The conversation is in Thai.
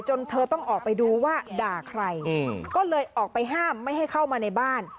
เธอต้องออกไปดูว่าด่าใครก็เลยออกไปห้ามไม่ให้เข้ามาในบ้าน